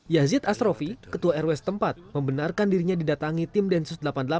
yazid asrofi ketua rw setempat membenarkan dirinya didatangi tim densus delapan puluh delapan